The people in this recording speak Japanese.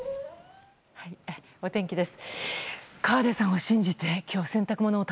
お天気です。